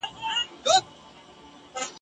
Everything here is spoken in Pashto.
که په اوړي په سفر به څوک وتله ..